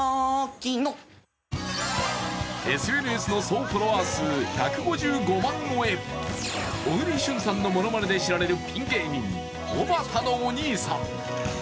ＳＮＳの総フォロワー数１５５万超え、小栗旬さんのモノマネで知られるピン芸人、おばたのお兄さん。